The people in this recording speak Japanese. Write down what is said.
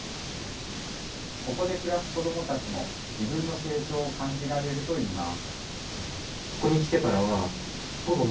ここで暮らす子どもたちも、自分の成長を感じられるといいます。